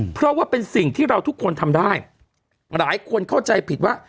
เพราะว่าเป็นสิ่งที่เราทุกคนทำได้หลายคนเข้าใจผิดว่า